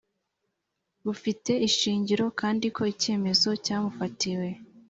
bufite ishingiro kandi ko icyemezo cyamufatiwe